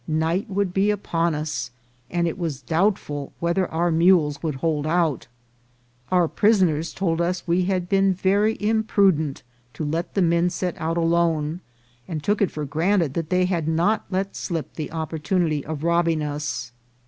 Night would be upon us, and it was doubtful whether our mules would hold out. Our prisoners told us we had been very imprudent to let the men set out alone, and took it for granted that they had not let slip the opportunity of robbing us.